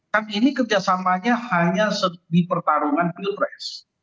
kan ini kerjasamanya hanya di pertarungan pilpres